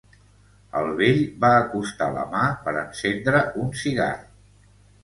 El vell va acostar la mà per encendre un cigar.